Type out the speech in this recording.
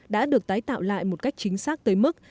đã được tái tạo lại một cách chính xác tới mức